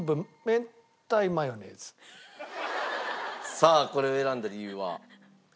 さあこれを選んだ理由は？